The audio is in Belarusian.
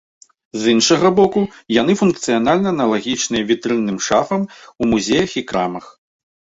З іншага боку, яны функцыянальна аналагічныя вітрынным шафам у музеях і крамах.